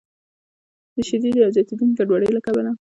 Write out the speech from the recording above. د شدیدې او زیاتیدونکې ګډوډۍ له کبله